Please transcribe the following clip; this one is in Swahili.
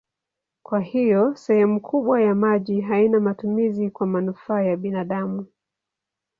Kwa hiyo sehemu kubwa ya maji haina matumizi kwa manufaa ya binadamu.